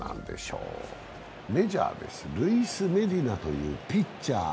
メジャーです、ルイス・メディナというピッチャー。